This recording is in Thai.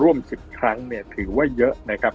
ร่วม๑๐ครั้งเนี่ยถือว่าเยอะนะครับ